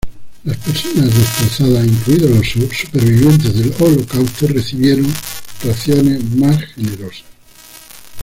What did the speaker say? Las personas desplazadas, incluidos los sobrevivientes del Holocausto, recibieron raciones más generosas.